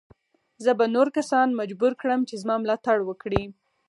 زه به نور کسان مجبور کړم چې زما ملاتړ وکړي.